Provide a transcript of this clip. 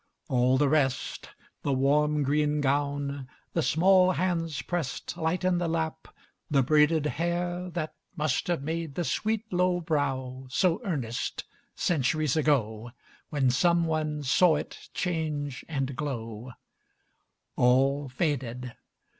All the rest The warm green gown, the small hands pressed Light in the lap, the braided hair That must have made the sweet low brow So earnest, centuries ago, When some one saw it change and glow All faded!